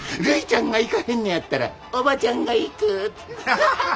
「るいちゃんが行かへんのやったらおばちゃんが行く！」。